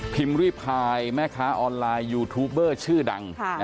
รีพายแม่ค้าออนไลน์ยูทูปเบอร์ชื่อดัง